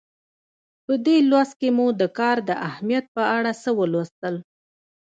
په دې لوست کې مو د کار د اهمیت په اړه څه ولوستل.